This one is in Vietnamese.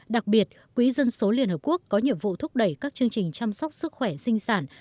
đặc biệt quỹ dân số liên hợp quốc có nhiệm vụ thúc đẩy các chương trình chăm sóc sức khỏe sinh sản